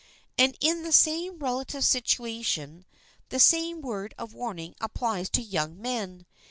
And, in the same relative situation, the same word of warning applies to young men.